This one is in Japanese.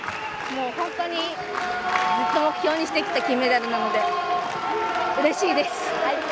本当にずっと目標にしてきた金メダルなのでうれしいです。